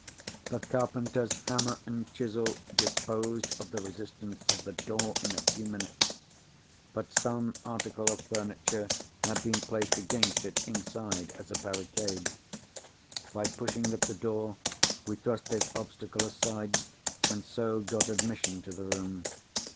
The carpenter's hammer and chisel disposed of the resistance of the door in a few minutes. But some article of furniture had been placed against it inside, as a barricade. By pushing at the door, we thrust this obstacle aside, and so got admission to the room.